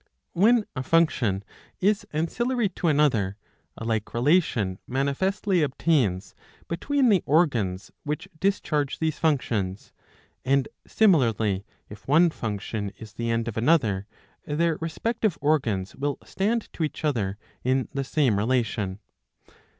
When a function is ancillary to another, a like relation mani festly obtains between the organs which discharge these functions ; and similarly if one function is the end of another, their respective organs will stand to each other in the same relation.